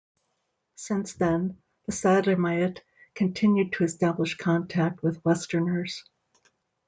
Since then, the Sadlermiut continued to establish contact with Westerners.